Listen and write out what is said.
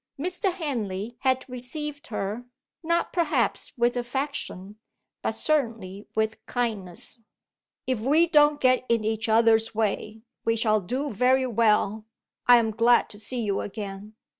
Mr. Henley had received her, not perhaps with affection, but certainly with kindness. "If we don't get in each other's way, we shall do very well; I am glad to see you again."